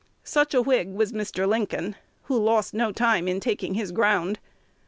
Such a Whig was Mr. Lincoln, who lost no time in taking his ground.